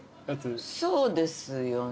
そうですよね。